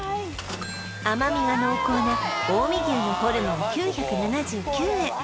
甘みが濃厚な近江牛のホルモン９７９円